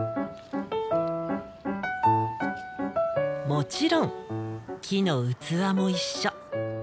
もちろん木の器も一緒。